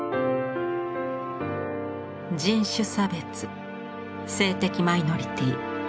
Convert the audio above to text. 人種差別性的マイノリティー。